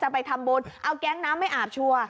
ไปทำบุญเอาแก๊งน้ำไม่อาบชัวร์